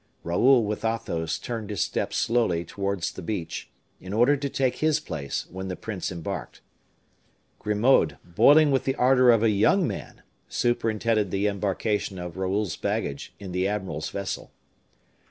Raoul with Athos turned his steps slowly towards the beach, in order to take his place when the prince embarked. Grimaud, boiling with the ardor of a young man, superintended the embarkation of Raoul's baggage in the admiral's vessel.